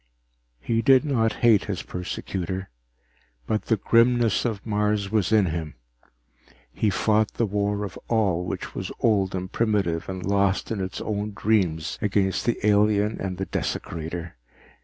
He did not hate his persecutor, but the grimness of Mars was in him. He fought the war of all which was old and primitive and lost in its own dreams against the alien and the desecrator.